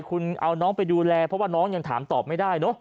คุณเอาน้องไปดูแลเพราะว่าน้องยังถามตอบไม่ได้เนอะ